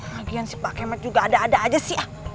lagian si pak kemet juga ada ada aja sih